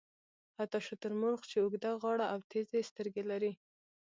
حتی شترمرغ چې اوږده غاړه او تېزې سترګې لري.